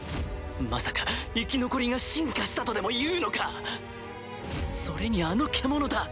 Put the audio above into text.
まさか生き残りが進化したとでもいうのか⁉それにあの獣だ！